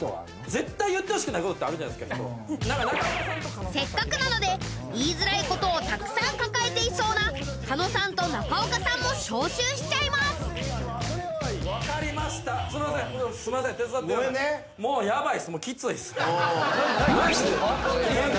絶対言ってほしくないことってあるじゃないですかせっかくなので言いづらいことをたくさん抱えていそうな狩野さんと中岡さんも招集しちゃいますすんませんすんません手伝ってください